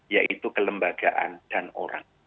yaitu kelembagaan dan orang